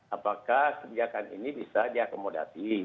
apakah kebijakan ini bisa diakomodasi